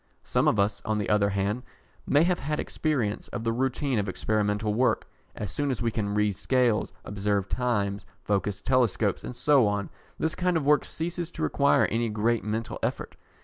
Some of us, on the other hand, may have had some experience of the routine of experimental work. As soon as we can read scales, observe times, focus telescopes, and so on, this kind of work ceases to require any great mental effort.